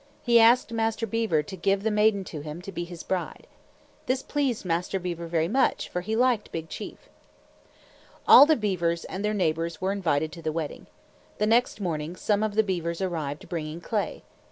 He asked Master Beaver to give the maiden to him, to be his bride. This pleased Master Beaver very much, for he liked Big Chief. All the beavers and their neighbors were invited to the wedding. The next morning, some of the beavers arrived bringing clay.